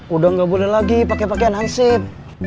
udah nggak boleh lagi pake pakean hansif